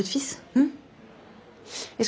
うん？